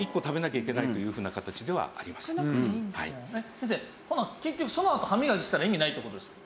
先生ほな結局そのあと歯磨きしたら意味ないって事ですか？